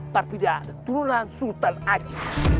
tapi dia ada tulungan sultan aja